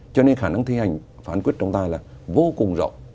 cho nên khả năng thi hành phán quyết trong tai là vô cùng rộng